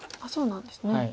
そうなんですね。